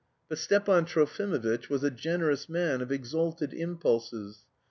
But Stepan Trofimovitch was a generous man of exalted impulses.